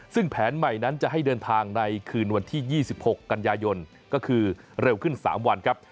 ซึ่งแผนใหม่นั้นจะให้เดินทางในคืนวันที่๒๖กันยายนก็คือเร็วขึ้น๓วันครับ